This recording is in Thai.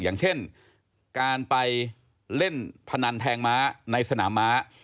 อย่างเช่นการไปเล่นพนันแทงม้าในสนามม้า